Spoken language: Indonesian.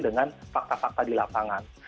dengan fakta fakta di lapangan